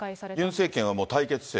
ユン政権はもう対決姿勢